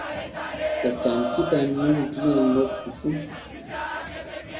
Ɓe cankitan nun diyam nokku fu.